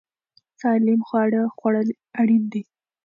سالم خواړه خوړل اړین دي.